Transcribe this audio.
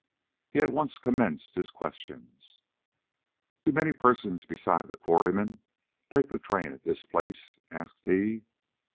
He at once commenced his questions. "Do many persons besides the quarrymen take the train at this place?" asked he.